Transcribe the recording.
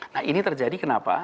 nah ini terjadi kenapa